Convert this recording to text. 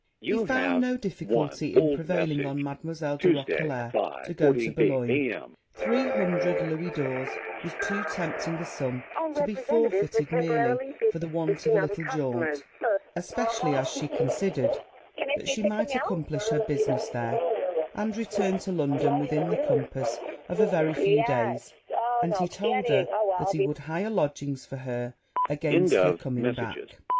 He found no difficulty in prevailing on Mademoiselle de Roquelair to go to Bologne. Three hundred louis d'ors was too tempting a sum to be forfeited merely for the want of a little jaunt, especially as she considered that she might accomplish her business there and return to London within the compass of a very few days; and he told her that he would hire lodgings for her against her coming back.